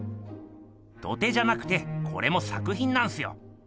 土手じゃなくてこれも作ひんなんすよ。